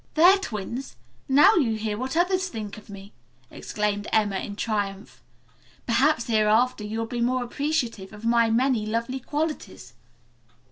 "There, twins! Now you hear what others think of me," exclaimed Emma in triumph. "Perhaps, hereafter, you'll be more appreciative of my many lovely qualities."